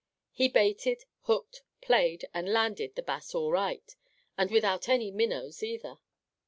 He baited, hooked, played, and landed the Bass all right, and without any minnows either.